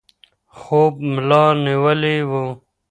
خوب ملا نیولی و.